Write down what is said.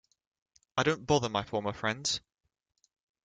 I don't bother my former friends.